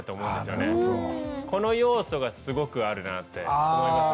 この要素がすごくあるなって思いますよ。